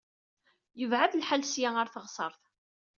Yebɛed lḥal seg-a ɣer teɣsert.